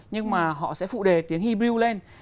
nhưng mà họ sẽ phụ đề tiếng hebrew lên